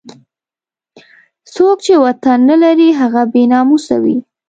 څوک چې وطن نه لري هغه بې ناموسه وي.